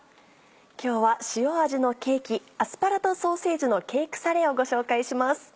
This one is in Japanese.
今日は塩味のケーキ「アスパラとソーセージのケークサレ」をご紹介します。